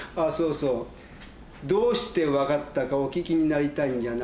どうして分かったかお聞きになりたいんじゃないんですか？